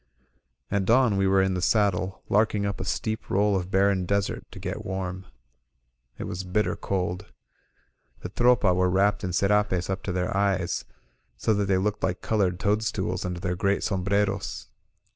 At dawn we were in the saddle, larking up a steep roll of barren desert to get warm. It was bitter cold. The Tropa were wrapped in scrapes up to their eyes, so that they looked like colored toadstools under their great sombreros.